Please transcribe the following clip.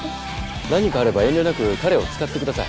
何かあれば遠慮なく彼を使ってください。